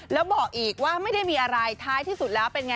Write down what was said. แล้วบอกอีกว่าไม่ได้มีอะไรท้ายที่สุดแล้วเป็นไง